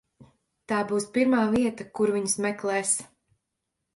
Tā būs pirmā vieta, kur viņus meklēs.